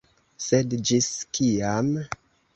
Sed ĝis kiam?